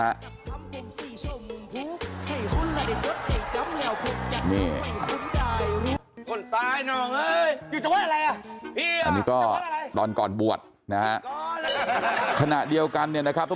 อันนี้ก็ตอนก่อนบวดคณะเดียวกันในที่